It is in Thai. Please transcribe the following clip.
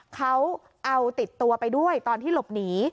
เขาเอาติดตัวไปด้วยตอนที่หลบหนี